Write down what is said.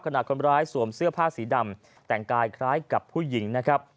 ขณะคนร้ายสวมเสื้อผ้าสีดำแต่งกายคล้ายกับผู้หญิงนะครับ